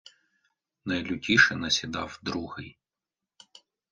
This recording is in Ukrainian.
Найлютіше насідав Другий.